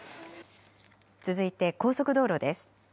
続いて高速道路です。